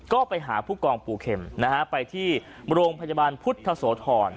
ก็ไปหาผู้กองปูเข็มนะฮะไปที่โรงพยาบาลพุทธโสธร